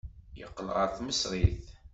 Yeqqel ɣer tmesrit.